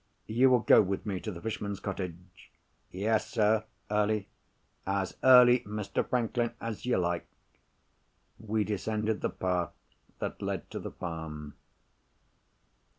'" "You will go with me to the fisherman's cottage?" "Yes, sir." "Early?" "As early, Mr. Franklin, as you like." We descended the path that led to the Farm.